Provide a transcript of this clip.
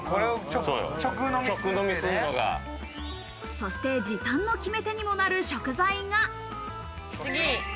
そして時短の決め手にもなる食材が。